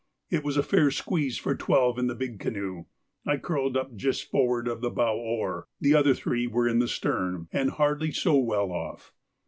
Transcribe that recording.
It was a fair squeeze for twelve in the big canoe; I curled up just forward of the bow oar, the other three were in the stern, and hardly so well off.